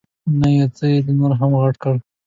نه، یو څه یې نور هم غټ کړه.